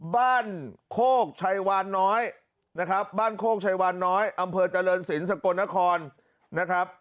โคกชัยวานน้อยนะครับบ้านโคกชัยวานน้อยอำเภอเจริญศิลปสกลนครนะครับ